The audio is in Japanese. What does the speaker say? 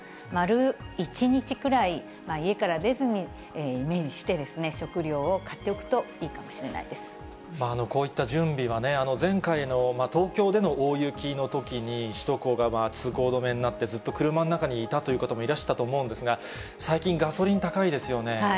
丸１日くらい、家から出ずに、イメージして、食料を買っておくこういった準備は、前回の東京での大雪のときに、首都高が通行止めになって、ずっと車の中にいたという方もいらしたと思うんですが、最近、ガソリン高いですよね。